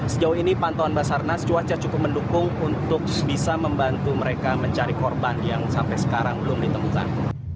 sejauh ini pantauan basarnas cuaca cukup mendukung untuk bisa membantu mereka mencari korban yang sampai sekarang belum ditemukan